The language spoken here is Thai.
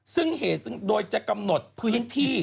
ซึ่งโดยจะกำหนดพื้นที่